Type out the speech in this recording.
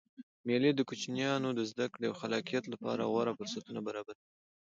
مېلې د کوچنيانو د زدکړي او خلاقیت له پاره غوره فرصتونه برابروي.